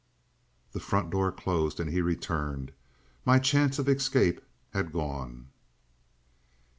... The front door closed and he returned. My chance of escape had gone.